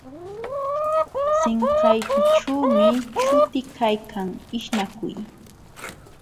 Sinqaykićhuumi chuti kaykan ishnakuy